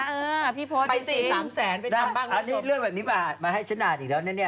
เออพี่พ่อจริงไปสิ๓แสนไปตามบ้างก็จมูกอันนี้เรื่องแบบนี้มามาให้ฉันอ่านอีกแล้วเนี่ย